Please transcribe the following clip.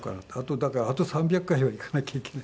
だからあと３００回はいかなきゃいけない。